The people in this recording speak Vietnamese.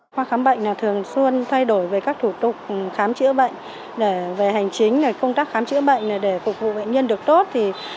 khoa khám bệnh thường xuyên thay đổi về các thủ tục khám chữa bệnh về hành chính công tác khám chữa bệnh để phục vụ bệnh nhân được tốt